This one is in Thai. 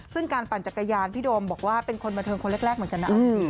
ซึ่งการปั่นจักรยานพี่โดมบอกว่าเป็นคนบันเทิงคนแรกเหมือนกันนะ